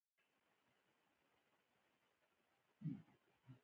ازادي راډیو د ټولنیز بدلون په اړه د بریاوو مثالونه ورکړي.